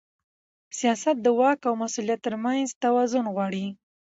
سیاست د واک او مسؤلیت ترمنځ توازن غواړي